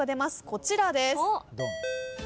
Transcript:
こちらです。